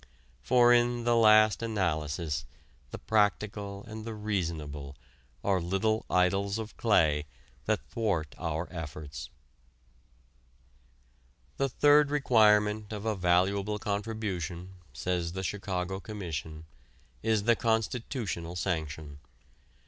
For in the last analysis the practical and the reasonable are little idols of clay that thwart our efforts. The third requirement of a valuable contribution, says the Chicago Commission, is the constitutional sanction.